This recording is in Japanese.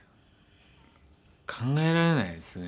考えられないですね